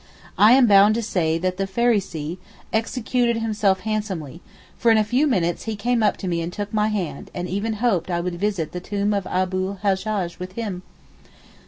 I am bound to say that the Pharisee 'executed himself handsomely, for in a few minutes he came up to me and took my hand and even hoped I would visit the tomb of Abu l Hajjaj with him!!